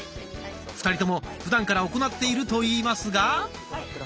２人ともふだんから行っていると言いますが。